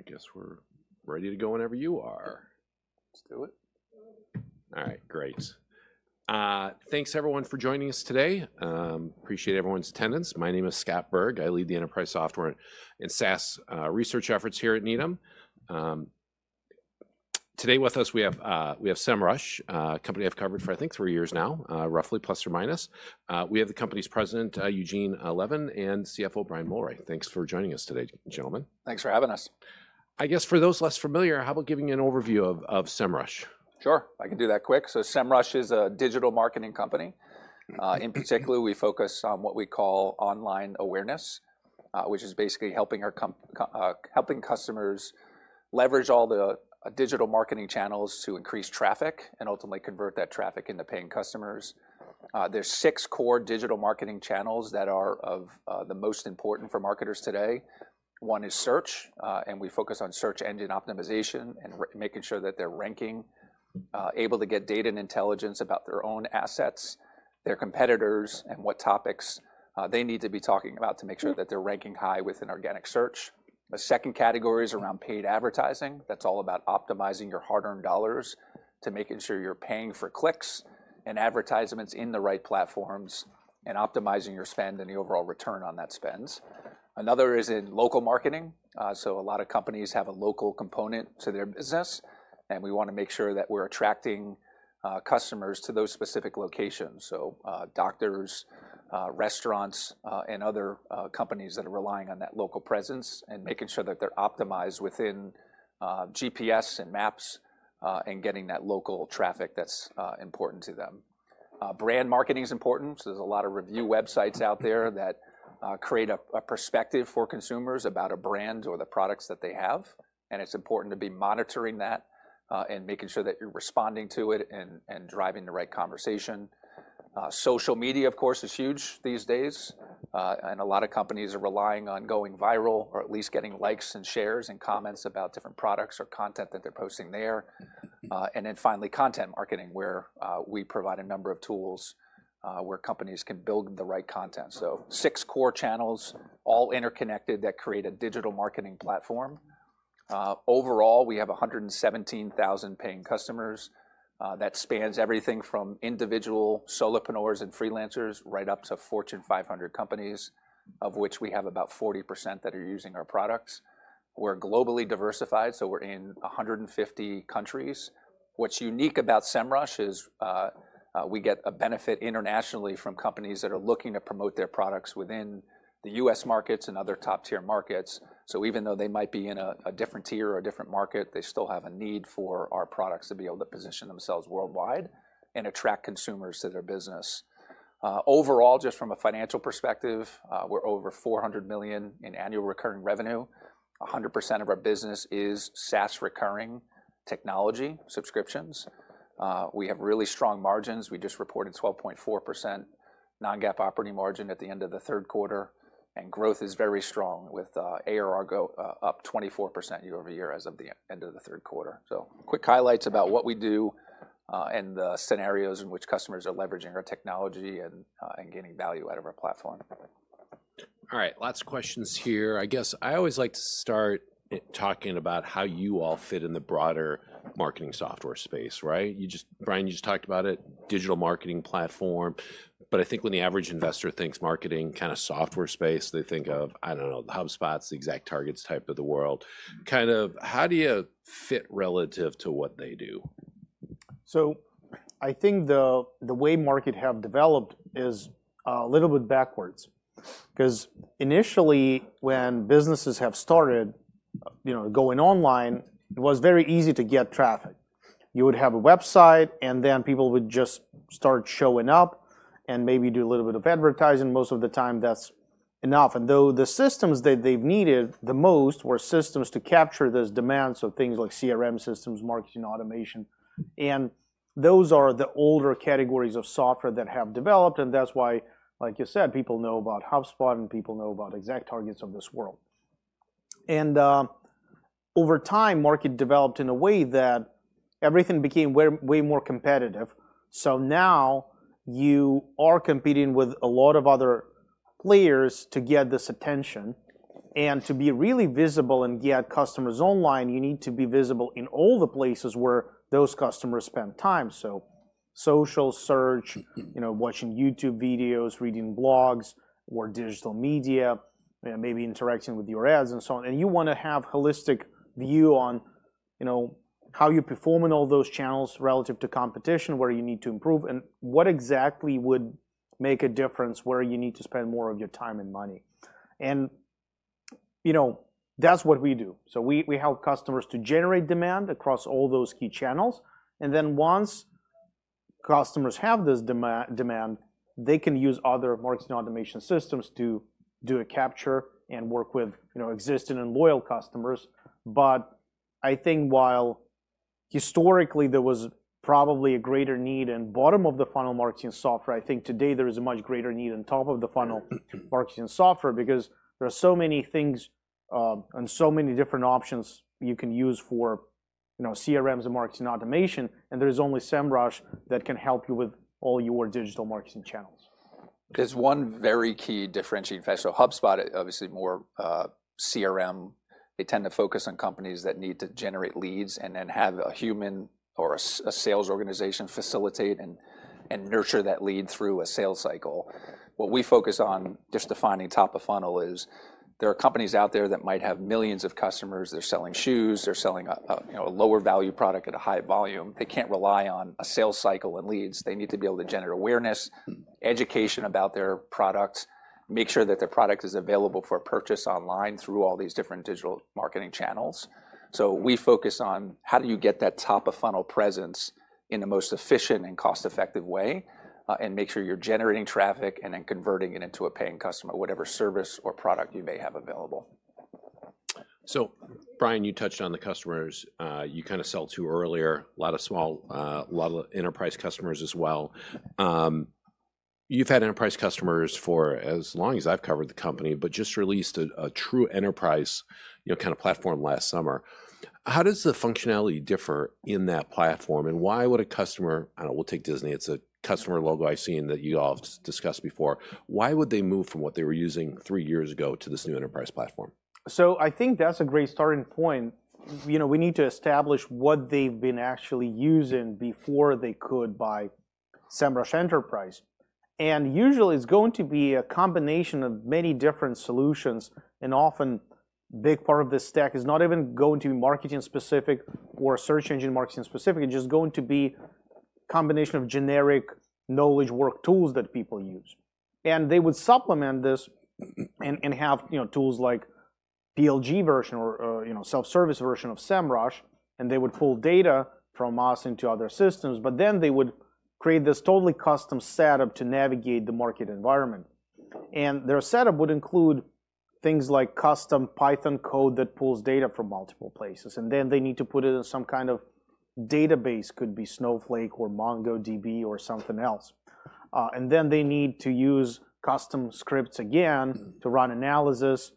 I guess we're ready to go whenever you are. Let's do it. All right, great. Thanks, everyone, for joining us today. Appreciate everyone's attendance. My name is Scott Berg. I lead the Enterprise Software and SaaS Research Efforts here at Needham. Today with us, we have Semrush, a company I've covered for, I think, three years now, roughly, plus or minus. We have the company's president, Eugene Levin, and CFO, Brian Mulroy. Thanks for joining us today, gentlemen. Thanks for having us. I guess for those less familiar, how about giving you an overview of Semrush? Sure. I can do that quick, so Semrush is a digital marketing company. In particular, we focus on what we call online awareness, which is basically helping customers leverage all the digital marketing channels to increase traffic and ultimately convert that traffic into paying customers. There are six core digital marketing channels that are of the most important for marketers today. One is search, and we focus on search engine optimization and making sure that they're ranking, able to get data and intelligence about their own assets, their competitors, and what topics they need to be talking about to make sure that they're ranking high within organic search. A second category is around paid advertising. That's all about optimizing your hard-earned dollars to making sure you're paying for clicks and advertisements in the right platforms and optimizing your spend and the overall return on that spend. Another is in local marketing. So a lot of companies have a local component to their business, and we want to make sure that we're attracting customers to those specific locations. So doctors, restaurants, and other companies that are relying on that local presence and making sure that they're optimized within GPS and maps and getting that local traffic that's important to them. Brand marketing is important. There's a lot of review websites out there that create a perspective for consumers about a brand or the products that they have. And it's important to be monitoring that and making sure that you're responding to it and driving the right conversation. Social media, of course, is huge these days, and a lot of companies are relying on going viral or at least getting likes and shares and comments about different products or content that they're posting there. Then finally, content marketing, where we provide a number of tools where companies can build the right content. So six core channels, all interconnected, that create a digital marketing platform. Overall, we have 117,000 paying customers. That spans everything from individual solopreneurs and freelancers right up to Fortune 500 companies, of which we have about 40% that are using our products. We're globally diversified, so we're in 150 countries. What's unique about Semrush is we get a benefit internationally from companies that are looking to promote their products within the U.S. markets and other top-tier markets. So even though they might be in a different tier or a different market, they still have a need for our products to be able to position themselves worldwide and attract consumers to their business. Overall, just from a financial perspective, we're over $400 million in annual recurring revenue. 100% of our business is SaaS recurring technology subscriptions. We have really strong margins. We just reported 12.4% Non-GAAP operating margin at the end of the third quarter, and growth is very strong with ARR up 24% year-over-year as of the end of the third quarter, so quick highlights about what we do and the scenarios in which customers are leveraging our technology and getting value out of our platform. All right, lots of questions here. I guess I always like to start talking about how you all fit in the broader marketing software space, right? Brian, you just talked about it, digital marketing platform. But I think when the average investor thinks marketing kind of software space, they think of, I don't know, the HubSpots, the ExactTargets type of the world. Kind of how do you fit relative to what they do? So I think the way markets have developed is a little bit backwards. Because initially, when businesses have started going online, it was very easy to get traffic. You would have a website, and then people would just start showing up and maybe do a little bit of advertising. Most of the time, that's enough. And though the systems that they've needed the most were systems to capture those demands of things like CRM systems, marketing automation. And those are the older categories of software that have developed. And that's why, like you said, people know about HubSpot and people know about ExactTarget of this world. And over time, market developed in a way that everything became way more competitive. So now you are competing with a lot of other players to get this attention. And to be really visible and get customers online, you need to be visible in all the places where those customers spend time. So social search, watching YouTube videos, reading blogs, or digital media, maybe interacting with your ads and so on. And you want to have a holistic view on how you perform in all those channels relative to competition, where you need to improve, and what exactly would make a difference, where you need to spend more of your time and money. And that's what we do. So we help customers to generate demand across all those key channels. And then once customers have this demand, they can use other marketing automation systems to do a capture and work with existing and loyal customers. But I think while historically there was probably a greater need in the bottom of the funnel marketing software, I think today there is a much greater need in the top of the funnel marketing software because there are so many things and so many different options you can use for CRMs and marketing automation. And there is only Semrush that can help you with all your digital marketing channels. There's one very key differentiating factor. So HubSpot, obviously, more CRM, they tend to focus on companies that need to generate leads and then have a human or a sales organization facilitate and nurture that lead through a sales cycle. What we focus on just defining top of funnel is there are companies out there that might have millions of customers. They're selling shoes. They're selling a lower value product at a high volume. They can't rely on a sales cycle and leads. They need to be able to generate awareness, education about their product, make sure that their product is available for purchase online through all these different digital marketing channels. So we focus on how do you get that top of funnel presence in the most efficient and cost-effective way and make sure you're generating traffic and then converting it into a paying customer, whatever service or product you may have available. So Brian, you touched on the customers you kind of sell to earlier, a lot of small, a lot of enterprise customers as well. You've had enterprise customers for as long as I've covered the company, but just released a true enterprise kind of platform last summer. How does the functionality differ in that platform? And why would a customer, I don't know, we'll take Disney. It's a customer logo I've seen that you all discussed before. Why would they move from what they were using three years ago to this new enterprise platform? So I think that's a great starting point. We need to establish what they've been actually using before they could buy Semrush Enterprise. And usually, it's going to be a combination of many different solutions. And often, a big part of this stack is not even going to be marketing specific or search engine marketing specific. It's just going to be a combination of generic knowledge work tools that people use. And they would supplement this and have tools like PLG version or self-service version of Semrush. And they would pull data from us into other systems. But then they would create this totally custom setup to navigate the market environment. And their setup would include things like custom Python code that pulls data from multiple places. And then they need to put it in some kind of database, could be Snowflake or MongoDB or something else. And then they need to use custom scripts again to run analysis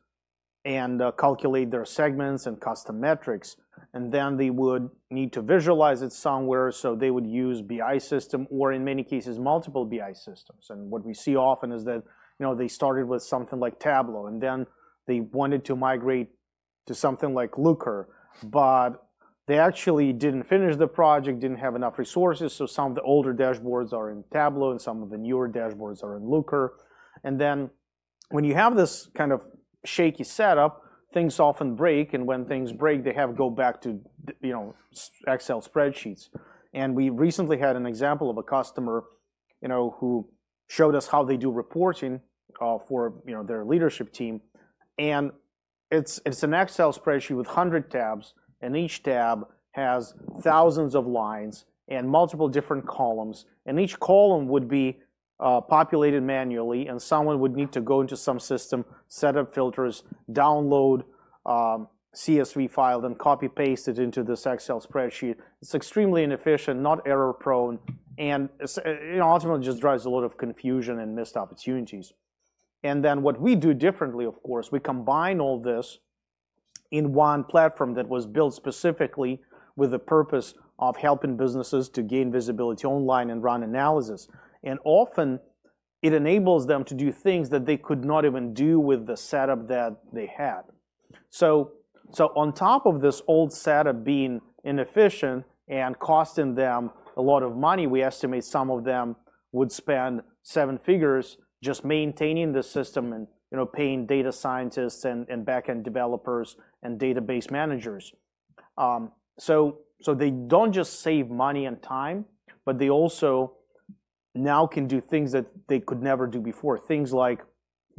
and calculate their segments and custom metrics. And then they would need to visualize it somewhere. So they would use BI system or, in many cases, multiple BI systems. And what we see often is that they started with something like Tableau, and then they wanted to migrate to something like Looker. But they actually didn't finish the project, didn't have enough resources. So some of the older dashboards are in Tableau, and some of the newer dashboards are in Looker. And then when you have this kind of shaky setup, things often break. And when things break, they have to go back to Excel spreadsheets. And we recently had an example of a customer who showed us how they do reporting for their leadership team. It's an Excel spreadsheet with 100 tabs, and each tab has thousands of lines and multiple different columns. Each column would be populated manually, and someone would need to go into some system, set up filters, download a CSV file, then copy-paste it into this Excel spreadsheet. It's extremely inefficient, error-prone, and ultimately just drives a lot of confusion and missed opportunities. Then what we do differently, of course, we combine all this in one platform that was built specifically with the purpose of helping businesses to gain visibility online and run analysis. Often, it enables them to do things that they could not even do with the setup that they had. So on top of this old setup being inefficient and costing them a lot of money, we estimate some of them would spend seven figures just maintaining the system and paying data scientists and back-end developers and database managers. So they don't just save money and time, but they also now can do things that they could never do before, things like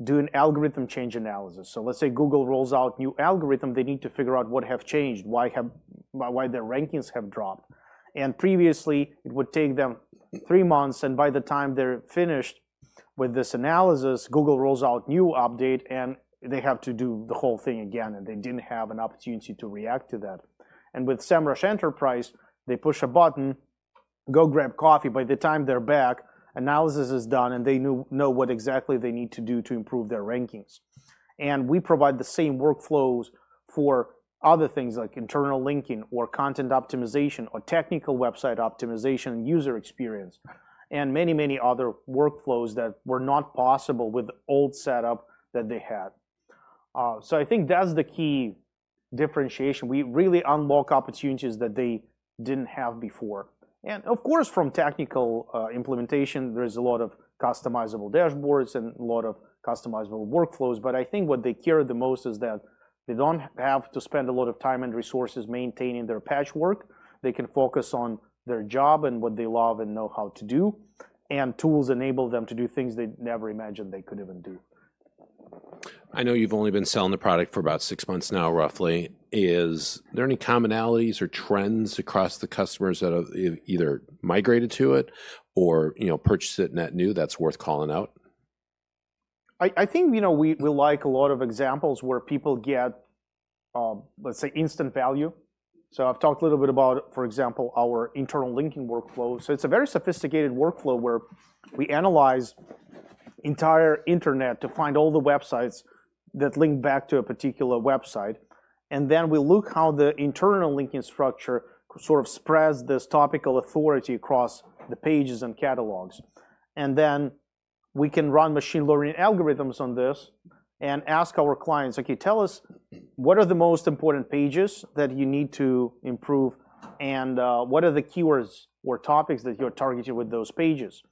doing algorithm change analysis. So let's say Google rolls out new algorithm, they need to figure out what has changed, why their rankings have dropped. And previously, it would take them three months. And by the time they're finished with this analysis, Google rolls out a new update, and they have to do the whole thing again, and they didn't have an opportunity to react to that. And with Semrush Enterprise, they push a button, go grab coffee. By the time they're back, analysis is done, and they know what exactly they need to do to improve their rankings. And we provide the same workflows for other things like internal linking or content optimization or technical website optimization and user experience and many, many other workflows that were not possible with the old setup that they had. So I think that's the key differentiation. We really unlock opportunities that they didn't have before. And of course, from technical implementation, there is a lot of customizable dashboards and a lot of customizable workflows. But I think what they care the most is that they don't have to spend a lot of time and resources maintaining their patchwork. They can focus on their job and what they love and know how to do. And tools enable them to do things they never imagined they could even do. I know you've only been selling the product for about six months now, roughly. Is there any commonalities or trends across the customers that have either migrated to it or purchased it net new that's worth calling out? I think we like a lot of examples where people get, let's say, instant value. So I've talked a little bit about, for example, our internal linking workflow. So it's a very sophisticated workflow where we analyze the entire internet to find all the websites that link back to a particular website. And then we look at how the internal linking structure sort of spreads this topical authority across the pages and catalogs. And then we can run machine learning algorithms on this and ask our clients, "OK, tell us what are the most important pages that you need to improve and what are the keywords or topics that you're targeting with those pages?"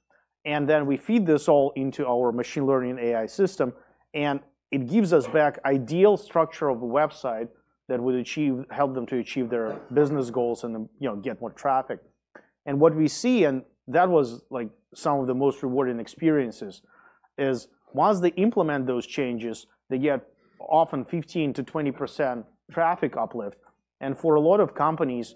And then we feed this all into our machine learning AI system. And it gives us back an ideal structure of a website that would help them to achieve their business goals and get more traffic. What we see, and that was like some of the most rewarding experiences, is once they implement those changes, they get often 15%-20% traffic uplift. For a lot of companies,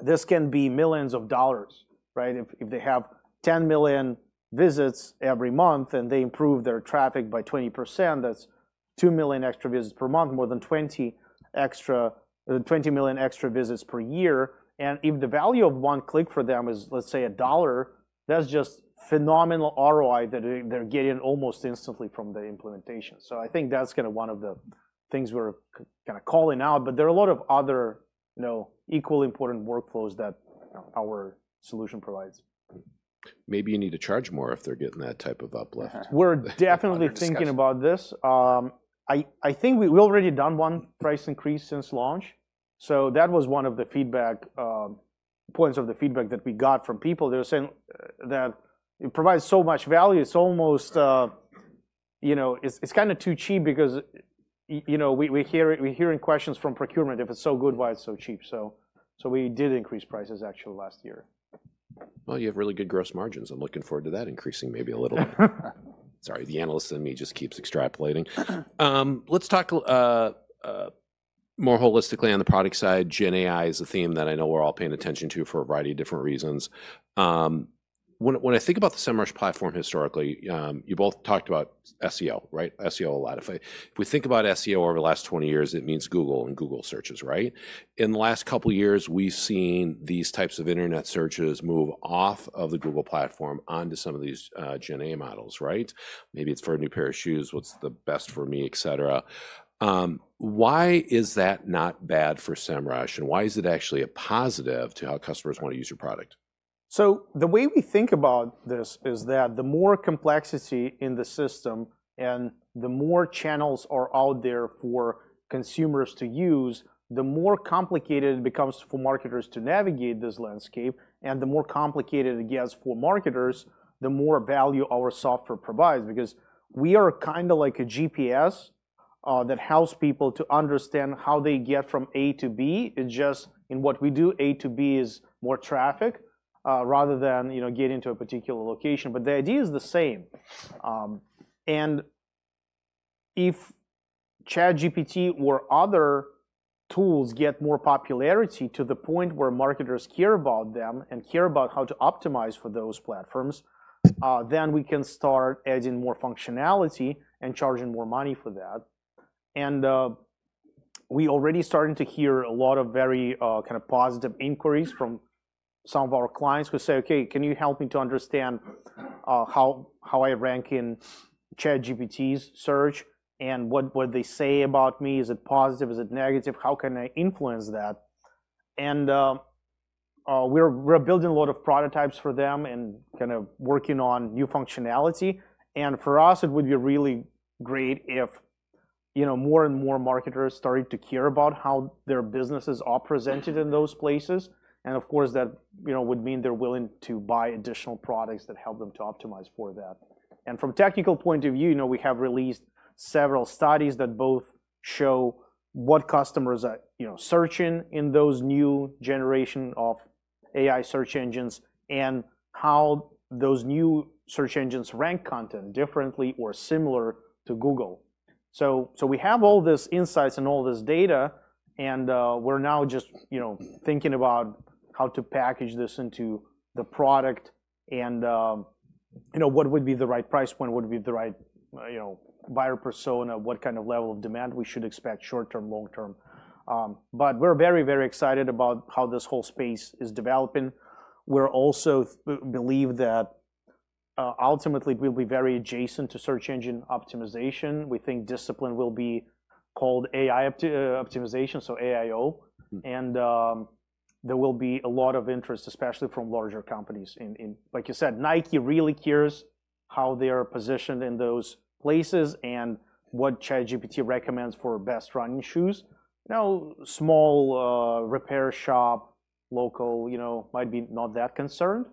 this can be millions of dollars. If they have 10 million visits every month and they improve their traffic by 20%, that's 2 million extra visits per month, more than 20 million extra visits per year. And if the value of one click for them is, let's say, $1, that's just phenomenal ROI that they're getting almost instantly from the implementation. So I think that's kind of one of the things we're kind of calling out. But there are a lot of other equally important workflows that our solution provides. Maybe you need to charge more if they're getting that type of uplift. We're definitely thinking about this. I think we've already done one price increase since launch. So that was one of the points of the feedback that we got from people. They were saying that it provides so much value. It's kind of too cheap because we're hearing questions from procurement. If it's so good, why it's so cheap? So we did increase prices, actually, last year. You have really good gross margins. I'm looking forward to that increasing maybe a little. Sorry, the analyst in me just keeps extrapolating. Let's talk more holistically on the product side. Gen AI is a theme that I know we're all paying attention to for a variety of different reasons. When I think about the Semrush platform historically, you both talked about SEO, right? SEO a lot. If we think about SEO over the last 20 years, it means Google and Google searches, right? In the last couple of years, we've seen these types of internet searches move off of the Google platform onto some of these Gen AI models, right? Maybe it's for a new pair of shoes. What's the best for me, et cetera? Why is that not bad for Semrush? And why is it actually a positive to how customers want to use your product? So the way we think about this is that the more complexity in the system and the more channels are out there for consumers to use, the more complicated it becomes for marketers to navigate this landscape, and the more complicated it gets for marketers, the more value our software provides. Because we are kind of like a GPS that helps people to understand how they get from A to B. It's just in what we do, A to B is more traffic rather than getting to a particular location, but the idea is the same, and if ChatGPT or other tools get more popularity to the point where marketers care about them and care about how to optimize for those platforms, then we can start adding more functionality and charging more money for that. And we're already starting to hear a lot of very kind of positive inquiries from some of our clients who say, "OK, can you help me to understand how I rank in ChatGPT's search? And what do they say about me? Is it positive? Is it negative? How can I influence that?" And we're building a lot of prototypes for them and kind of working on new functionality. And for us, it would be really great if more and more marketers started to care about how their businesses are presented in those places. And of course, that would mean they're willing to buy additional products that help them to optimize for that. From a technical point of view, we have released several studies that both show what customers are searching in those new generations of AI search engines and how those new search engines rank content differently or similar to Google. So we have all these insights and all this data. And we're now just thinking about how to package this into the product and what would be the right price point, what would be the right buyer persona, what kind of level of demand we should expect short-term, long-term. But we're very, very excited about how this whole space is developing. We also believe that ultimately, it will be very adjacent to search engine optimization. We think discipline will be called AI optimization, so AIO. And there will be a lot of interest, especially from larger companies. Like you said, Nike really cares how they are positioned in those places and what ChatGPT recommends for best running shoes. Now, small repair shop local might be not that concerned.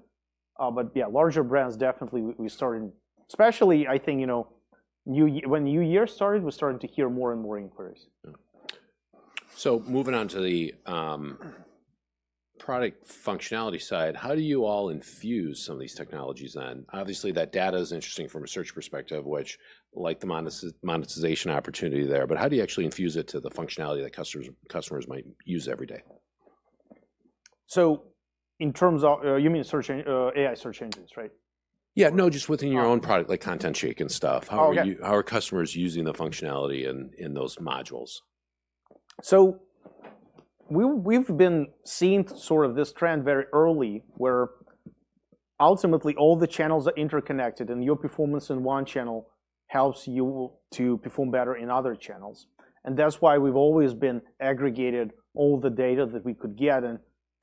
But yeah, larger brands definitely we started, especially I think when New Year started, we started to hear more and more inquiries. Moving on to the product functionality side, how do you all infuse some of these technologies then? Obviously, that data is interesting from a search perspective, which I like the monetization opportunity there. But how do you actually infuse it to the functionality that customers might use every day? So in terms of you mean AI search engines, right? Yeah, no, just within your own product, like ContentShake and stuff. How are customers using the functionality in those modules? So we've been seeing sort of this trend very early where ultimately, all the channels are interconnected. And your performance in one channel helps you to perform better in other channels. And that's why we've always been aggregating all the data that we could get and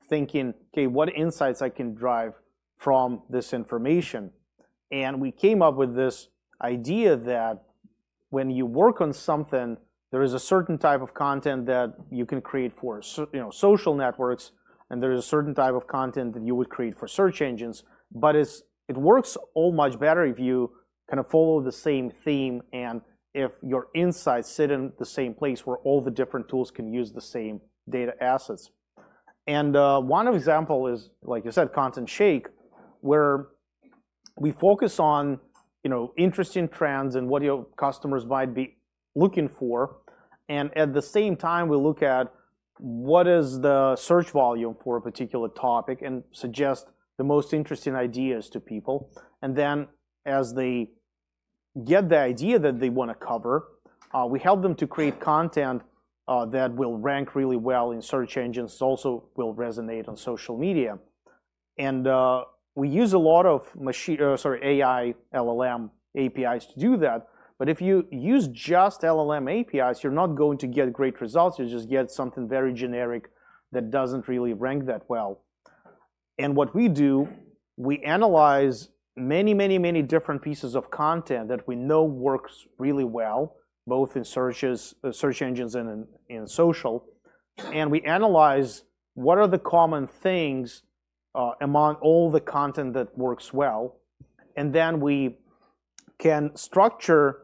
thinking, "OK, what insights I can drive from this information?" And we came up with this idea that when you work on something, there is a certain type of content that you can create for social networks. And there is a certain type of content that you would create for search engines. But it works all much better if you kind of follow the same theme and if your insights sit in the same place where all the different tools can use the same data assets. And one example is, like you said, ContentShake, where we focus on interesting trends and what your customers might be looking for. And at the same time, we look at what is the search volume for a particular topic and suggest the most interesting ideas to people. And then as they get the idea that they want to cover, we help them to create content that will rank really well in search engines, also will resonate on social media. And we use a lot of AI, LLM, APIs to do that. But if you use just LLM APIs, you're not going to get great results. You just get something very generic that doesn't really rank that well. And what we do, we analyze many, many, many different pieces of content that we know works really well, both in search engines and in social. And we analyze what are the common things among all the content that works well. And then we can structure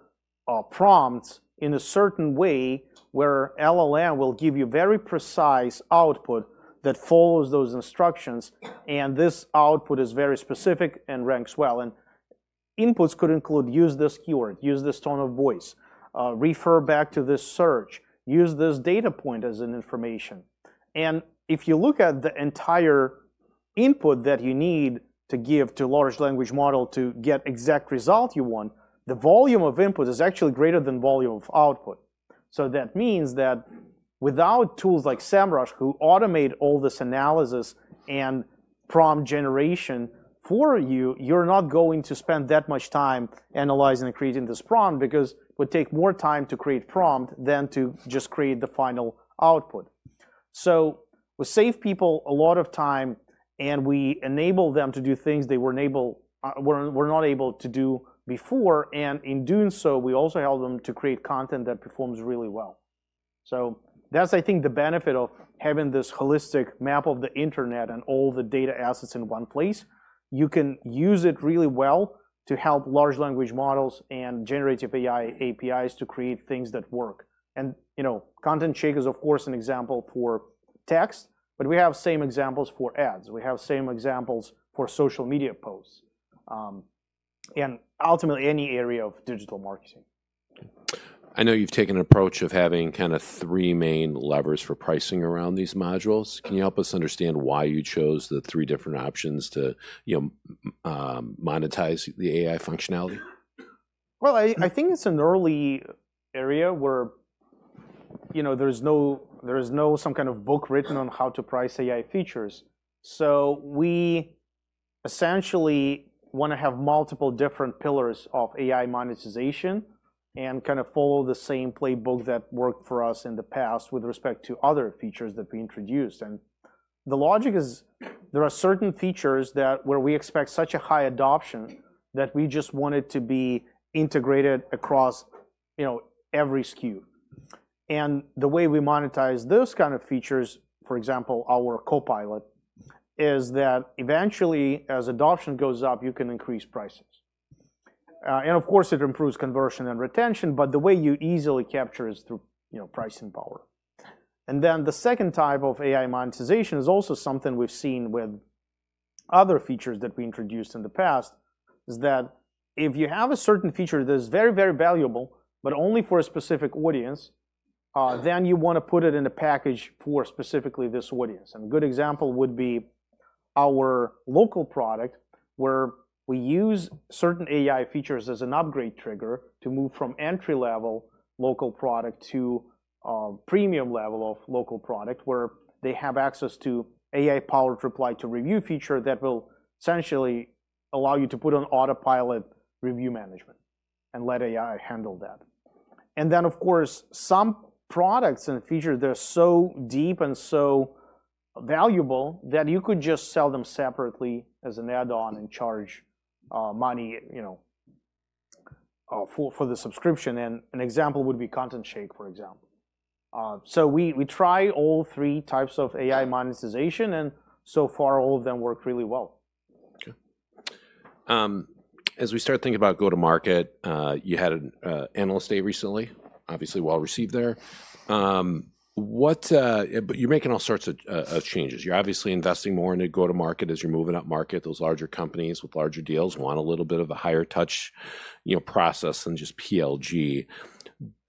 prompts in a certain way where LLM will give you very precise output that follows those instructions. And this output is very specific and ranks well. And inputs could include use this keyword, use this tone of voice, refer back to this search, use this data point as information. And if you look at the entire input that you need to give to a large language model to get the exact result you want, the volume of input is actually greater than the volume of output. So that means that without tools like Semrush, who automate all this analysis and prompt generation for you, you're not going to spend that much time analyzing and creating this prompt because it would take more time to create a prompt than to just create the final output. So we save people a lot of time. And we enable them to do things they were not able to do before. And in doing so, we also help them to create content that performs really well. So that's, I think, the benefit of having this holistic map of the internet and all the data assets in one place. You can use it really well to help large language models and generative AI APIs to create things that work. And ContentShake is, of course, an example for text. But we have the same examples for ads. We have the same examples for social media posts and ultimately any area of digital marketing. I know you've taken an approach of having kind of three main levers for pricing around these modules. Can you help us understand why you chose the three different options to monetize the AI functionality? I think it's an early area where there is no, some kind of book written on how to price AI features. So we essentially want to have multiple different pillars of AI monetization and kind of follow the same playbook that worked for us in the past with respect to other features that we introduced. And the logic is there are certain features where we expect such a high adoption that we just want it to be integrated across every SKU. And the way we monetize those kind of features, for example, our Copilot, is that eventually, as adoption goes up, you can increase prices. And of course, it improves conversion and retention. But the way you easily capture is through pricing power. And then the second type of AI monetization is also something we've seen with other features that we introduced in the past, is that if you have a certain feature that is very, very valuable, but only for a specific audience, then you want to put it in a package for specifically this audience. And a good example would be our local product, where we use certain AI features as an upgrade trigger to move from entry-level local product to premium level of local product, where they have access to AI-powered reply-to-review feature that will essentially allow you to put on autopilot review management and let AI handle that. And then, of course, some products and features, they're so deep and so valuable that you could just sell them separately as an add-on and charge money for the subscription. And an example would be ContentShake, for example. So we try all three types of AI monetization. And so far, all of them work really well. OK. As we start thinking about go-to-market, you had an analyst day recently, obviously well received there. But you're making all sorts of changes. You're obviously investing more into go-to-market as you're moving up market. Those larger companies with larger deals want a little bit of a higher-touch process than just PLG.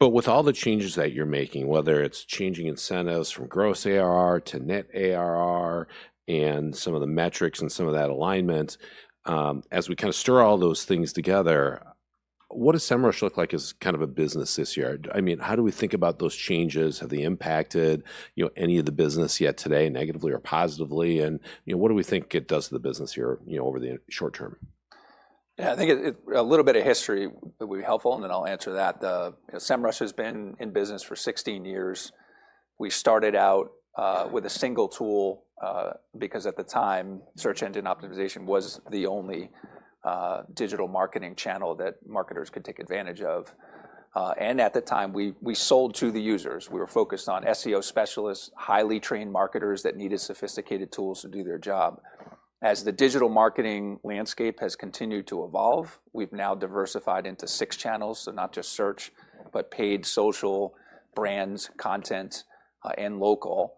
But with all the changes that you're making, whether it's changing incentives from gross ARR to net ARR and some of the metrics and some of that alignment, as we kind of stir all those things together, what does Semrush look like as kind of a business this year? I mean, how do we think about those changes? Have they impacted any of the business yet today, negatively or positively? And what do we think it does to the business here over the short term? Yeah, I think a little bit of history would be helpful, and then I'll answer that. Semrush has been in business for 16 years. We started out with a single tool because at the time, search engine optimization was the only digital marketing channel that marketers could take advantage of, and at the time, we sold to the users. We were focused on SEO specialists, highly trained marketers that needed sophisticated tools to do their job. As the digital marketing landscape has continued to evolve, we've now diversified into six channels, so not just search, but paid social, brands, content, and local, and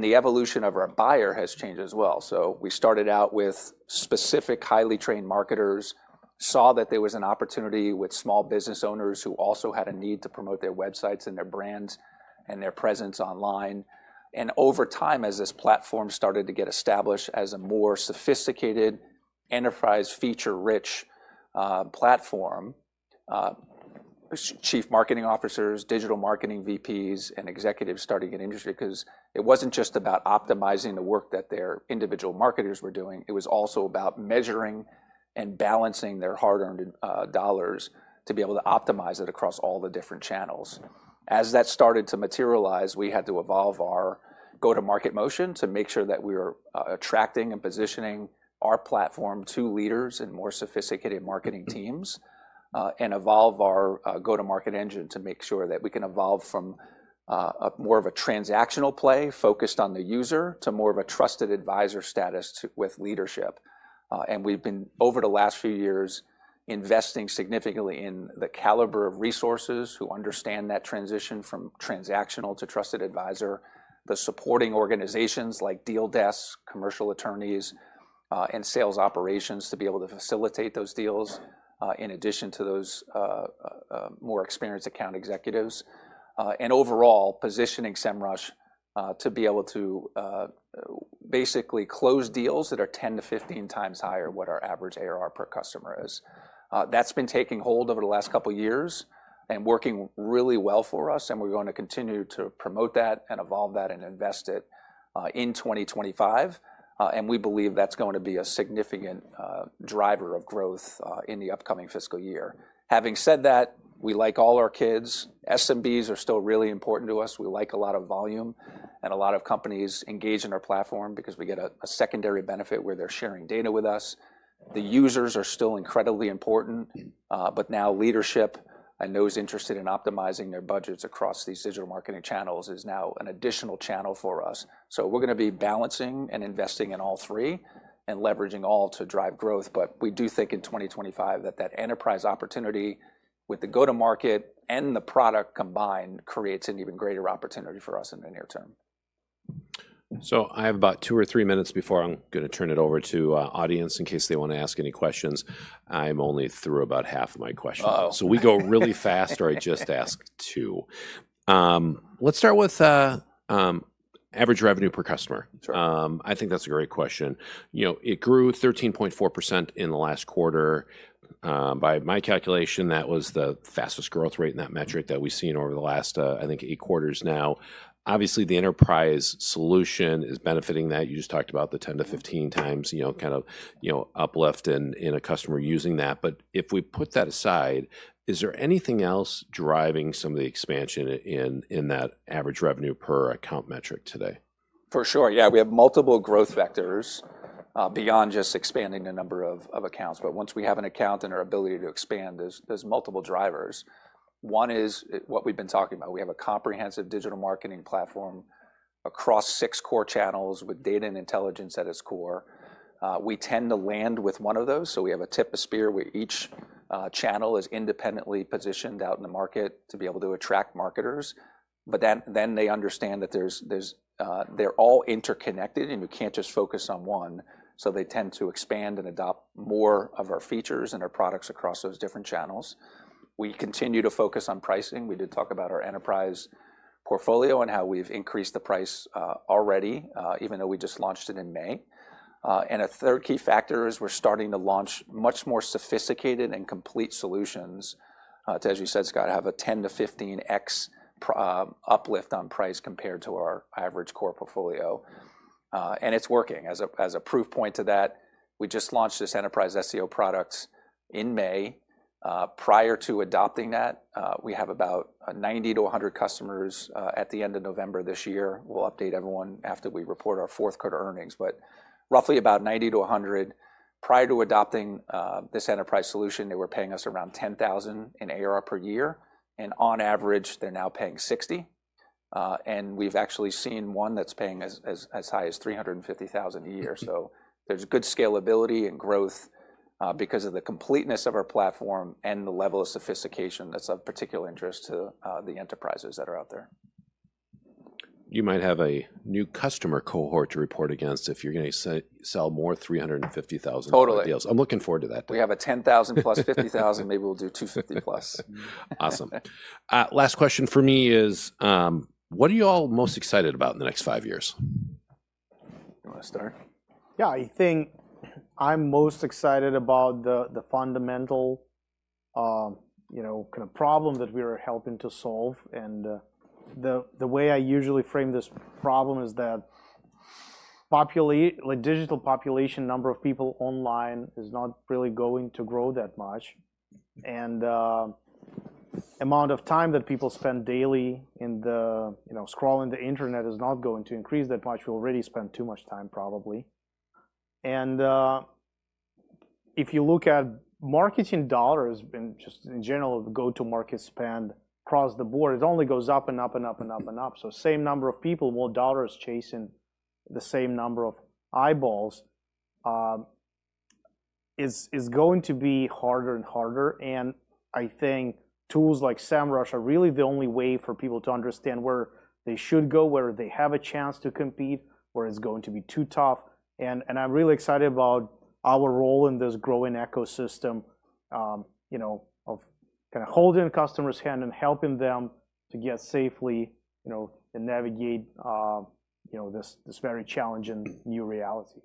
the evolution of our buyer has changed as well, so we started out with specific, highly trained marketers, saw that there was an opportunity with small business owners who also had a need to promote their websites and their brands and their presence online. Over time, as this platform started to get established as a more sophisticated, enterprise-feature-rich platform, chief marketing officers, digital marketing VPs, and executives started getting interested because it wasn't just about optimizing the work that their individual marketers were doing. It was also about measuring and balancing their hard-earned dollars to be able to optimize it across all the different channels. As that started to materialize, we had to evolve our go-to-market motion to make sure that we were attracting and positioning our platform to leaders and more sophisticated marketing teams and evolve our go-to-market engine to make sure that we can evolve from more of a transactional play focused on the user to more of a trusted advisor status with leadership. We've been, over the last few years, investing significantly in the caliber of resources who understand that transition from transactional to trusted advisor, the supporting organizations like deal desks, commercial attorneys, and sales operations to be able to facilitate those deals, in addition to those more experienced account executives. Overall, positioning Semrush to be able to basically close deals that are 10x-15x higher than what our average ARR per customer is. That's been taking hold over the last couple of years and working really well for us. We're going to continue to promote that and evolve that and invest it in 2025. We believe that's going to be a significant driver of growth in the upcoming fiscal year. Having said that, we like all our kids. SMBs are still really important to us. We like a lot of volume and a lot of companies engaging our platform because we get a secondary benefit where they're sharing data with us. The users are still incredibly important. But now, leadership and those interested in optimizing their budgets across these digital marketing channels is now an additional channel for us. So we're going to be balancing and investing in all three and leveraging all to drive growth. But we do think in 2025 that that enterprise opportunity with the go-to-market and the product combined creates an even greater opportunity for us in the near term. I have about two or three minutes before I'm going to turn it over to the audience in case they want to ask any questions. I'm only through about half of my questions. So we go really fast or I just ask two. Let's start with average revenue per customer. I think that's a great question. It grew 13.4% in the last quarter. By my calculation, that was the fastest growth rate in that metric that we've seen over the last, I think, eight quarters now. Obviously, the enterprise solution is benefiting that. You just talked about the 10x-15x kind of uplift in a customer using that. But if we put that aside, is there anything else driving some of the expansion in that average revenue per account metric today? For sure, yeah. We have multiple growth vectors beyond just expanding the number of accounts. But once we have an account and our ability to expand, there's multiple drivers. One is what we've been talking about. We have a comprehensive digital marketing platform across six core channels with data and intelligence at its core. We tend to land with one of those. So we have a tip of spear where each channel is independently positioned out in the market to be able to attract marketers. But then they understand that they're all interconnected, and you can't just focus on one. So they tend to expand and adopt more of our features and our products across those different channels. We continue to focus on pricing. We did talk about our enterprise portfolio and how we've increased the price already, even though we just launched it in May. A third key factor is we're starting to launch much more sophisticated and complete solutions to, as you said, Scott, have a 10x-15x uplift on price compared to our average core portfolio. And it's working. As a proof point to that, we just launched this enterprise SEO product in May. Prior to adopting that, we have about 90-100 customers at the end of November this year. We'll update everyone after we report our fourth quarter earnings. But roughly about 90-100. Prior to adopting this enterprise solution, they were paying us around $10,000 in ARR per year. And on average, they're now paying $60,000. And we've actually seen one that's paying as high as $350,000 a year. So there's good scalability and growth because of the completeness of our platform and the level of sophistication that's of particular interest to the enterprises that are out there. You might have a new customer cohort to report against if you're going to sell more 350,000 deals. Totally. I'm looking forward to that day. We have a 10,000 + 50,000. Maybe we'll do 250,000+. Awesome. Last question for me is, what are you all most excited about in the next five years? You want to start? Yeah, I think I'm most excited about the fundamental kind of problem that we are helping to solve. And the way I usually frame this problem is that digital population number of people online is not really going to grow that much. And the amount of time that people spend daily scrolling the internet is not going to increase that much. We already spend too much time, probably. And if you look at marketing dollars and just in general, the go-to-market spend across the board, it only goes up and up and up and up and up. So the same number of people, more dollars chasing the same number of eyeballs is going to be harder and harder. I think tools like Semrush are really the only way for people to understand where they should go, where they have a chance to compete, where it's going to be too tough. I'm really excited about our role in this growing ecosystem of kind of holding customers' hands and helping them to get safely and navigate this very challenging new reality.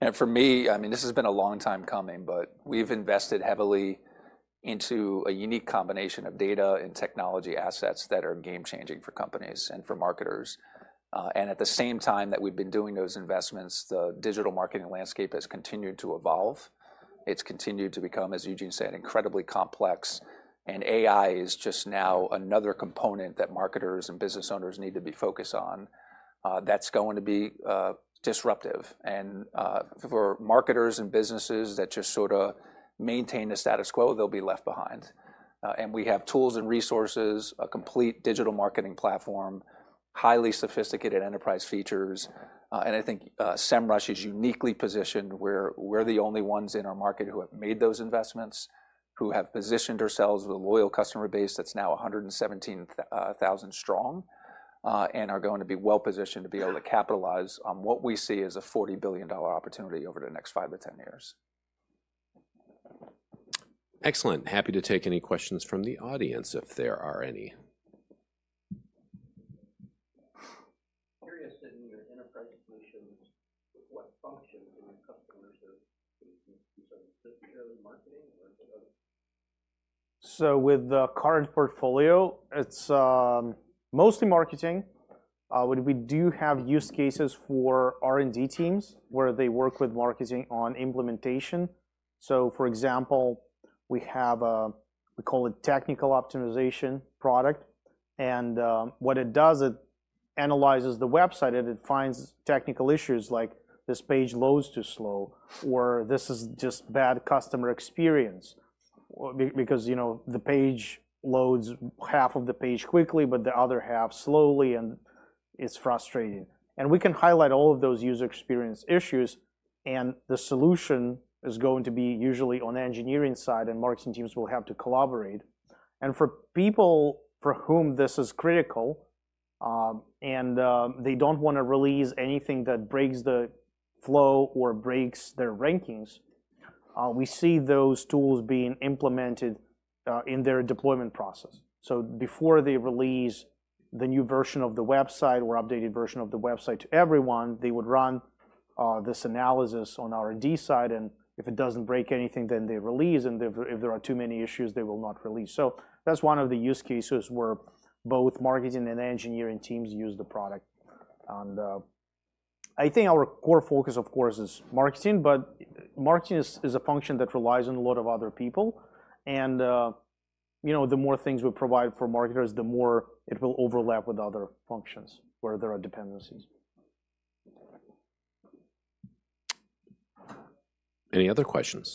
And for me, I mean, this has been a long time coming. But we've invested heavily into a unique combination of data and technology assets that are game-changing for companies and for marketers. And at the same time that we've been doing those investments, the digital marketing landscape has continued to evolve. It's continued to become, as Eugene said, incredibly complex. And AI is just now another component that marketers and business owners need to be focused on that's going to be disruptive. And for marketers and businesses that just sort of maintain the status quo, they'll be left behind. And we have tools and resources, a complete digital marketing platform, highly sophisticated enterprise features. I think Semrush is uniquely positioned where we're the only ones in our market who have made those investments, who have positioned ourselves with a loyal customer base that's now 117,000 strong, and are going to be well positioned to be able to capitalize on what we see as a $40 billion opportunity over the next five to 10 years. Excellent. Happy to take any questions from the audience if there are any. Curious in your enterprise solutions, what functions do your customers use? Is it purely marketing or is it other? So with the current portfolio, it's mostly marketing. We do have use cases for R&D teams where they work with marketing on implementation. So for example, we call it technical optimization product. And what it does, it analyzes the website, and it finds technical issues like this page loads too slow or this is just bad customer experience because the page loads half of the page quickly, but the other half slowly. And it's frustrating. And we can highlight all of those user experience issues. And the solution is going to be usually on the engineering side, and marketing teams will have to collaborate. And for people for whom this is critical and they don't want to release anything that breaks the flow or breaks their rankings, we see those tools being implemented in their deployment process. So before they release the new version of the website or updated version of the website to everyone, they would run this analysis on our dev side. And if it doesn't break anything, then they release. And if there are too many issues, they will not release. So that's one of the use cases where both marketing and engineering teams use the product. And I think our core focus, of course, is marketing. But marketing is a function that relies on a lot of other people. And the more things we provide for marketers, the more it will overlap with other functions where there are dependencies. Any other questions?